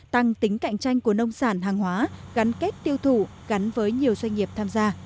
tăng tính cạnh tranh của nông sản hàng hóa gắn kết tiêu thụ gắn với nhiều doanh nghiệp tham gia